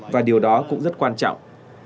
và điều đó cũng rất quan trọng